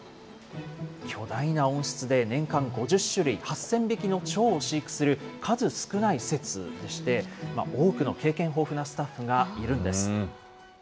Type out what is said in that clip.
巨大な温室で年間５０種類８０００匹のチョウを飼育する数少ない施設でして、多くの経験豊富なスタッフがいるんです。